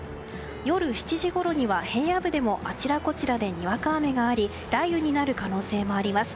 夜７時ごろには平野部でもあちらこちらでにわか雨があり雷雨になる可能性もあります。